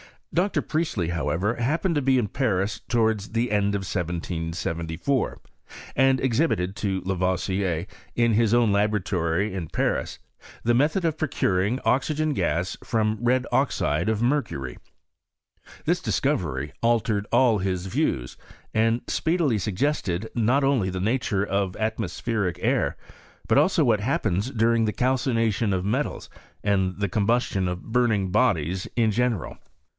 Dr. Priestley, however, happened to be in Paris towards the end of 1774, and exhibited to Lavoisier, in his own laboratory in Paris, the method of procuring oxygen gas from red oxide of mercury. This dis covery altered all his views, and speedily su^;ested not only the nature of atmospheric air, but also what happens during the calcination of metals and the combustion of burning bodies in general.